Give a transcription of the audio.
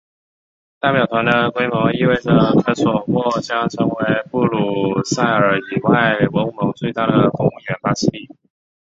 代表团的规模意味着科索沃将成为布鲁塞尔以外欧盟最大的公务员办事地。